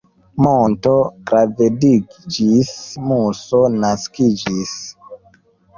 Monto gravediĝis, muso naskiĝis.